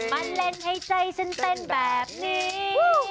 มาเล่นให้ใจฉันเต้นแบบนี้